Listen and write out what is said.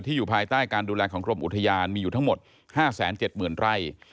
อยู่ภายใต้การดูแลของกรมอุทยานมีอยู่ทั้งหมด๕๗๐๐ไร่